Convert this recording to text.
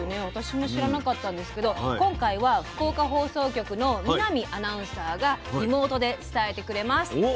私も知らなかったんですけど今回は福岡放送局の見浪アナウンサーがリモートで伝えてくれます。